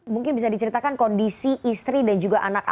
mungkin bisa diceritakan kondisi istri dan juga anaknya